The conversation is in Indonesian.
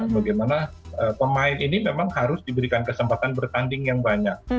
bagaimana pemain ini memang harus diberikan kesempatan bertanding yang banyak